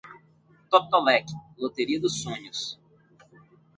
Totolec, loteria dos sonhos